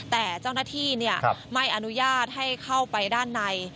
แต่เจ้าหน้าที่ไม่อนุญาตให้เข้าไปด้านใน